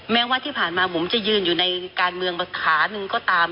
แม้ว่าที่ผ่านมาบุ๋มจะยืนอยู่ในการเมืองขาหนึ่งก็ตาม